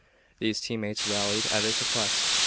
These team mates rallied at his request.